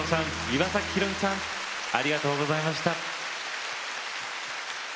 岩崎宏美さんありがとうございました。